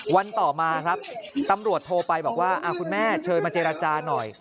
วันต่อมาครับตำรวจโทรไปบอกว่าคุณแม่เชิญมาเจรจาหน่อย